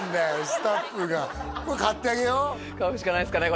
スタッフがこれ買ってあげよう買うしかないですかね